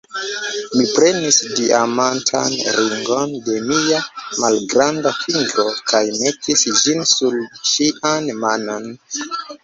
Mi prenis diamantan ringon de mia malgranda fingro kaj metis ĝin sur ŝian manon.